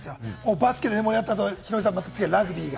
バスケで盛り上がったあとヒロミさん、次にラグビーが。